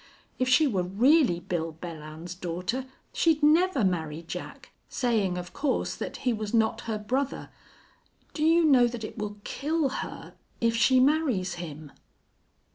If she were really Bill Belllounds's daughter she'd never marry Jack, saying, of course, that he was not her brother.... Do you know that it will kill her, if she marries him?"